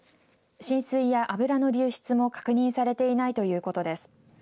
浸水や油の流出も確認されていないということです。